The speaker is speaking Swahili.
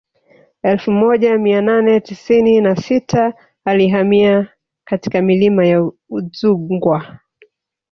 Elfu moja mia nane tisini na sita alihamia katika milima ya Udzungwa